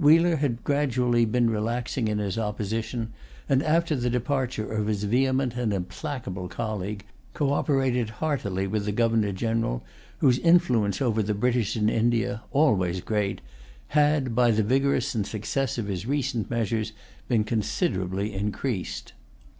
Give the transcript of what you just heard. Wheler had gradually been relaxing in his opposition, and, after the departure of his vehement and implacable colleague, coöperated heartily with the Governor General, whose influence over the British in India, always great, had, by the vigor and success of his recent measures, been considerably increased.